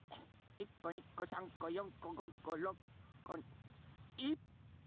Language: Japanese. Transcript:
１こ２こ３こ４こ５こ６こいっぱい！